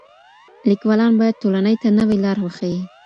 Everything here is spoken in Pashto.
ليکوالان بايد ټولني ته نوې لار وښيي.